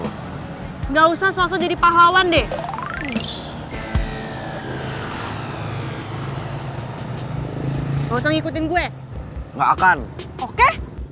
nggak usah selesai jadi pahlawan deh nggak usah ngikutin gue nggak akan oke